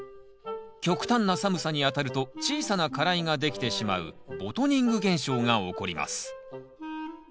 極端な寒さにあたると小さな花蕾ができてしまうボトニング現象が起こります。